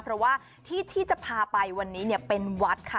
เพราะว่าที่ที่จะพาไปวันนี้เป็นวัดค่ะ